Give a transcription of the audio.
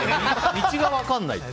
道が分からない。